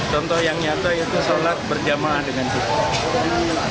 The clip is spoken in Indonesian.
contoh yang nyata itu sholat berjamaah dengan kita